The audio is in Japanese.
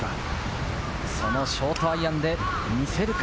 そのショートアイアンで見せるか？